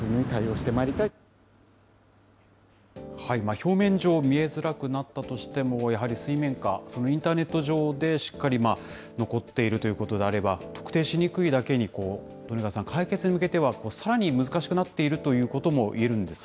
表面上、見えづらくなったとしても、やはり水面下、インターネット上でしっかり残っているということであれば、特定しにくいだけに、利根川さん、解決に向けてはさらに難しくなっているということも言えるんです